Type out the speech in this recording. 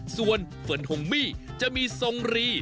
ส่วนเฟิร์นฮงมี่จะมีทรงรี